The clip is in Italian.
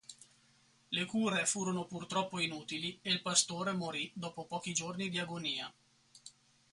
Le cure furono purtroppo inutili e il pastore morì dopo pochi giorni di agonia.